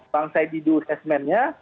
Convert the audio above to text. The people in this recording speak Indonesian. bang saib didu assessment nya